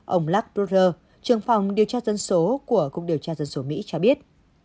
ông lars brugger trưởng phòng điều tra dân số của cục điều tra dân số mỹ cho biết